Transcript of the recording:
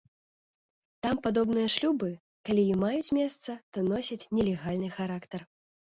Там падобныя шлюбы, калі і маюць месца, то носяць нелегальны характар.